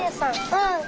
うん。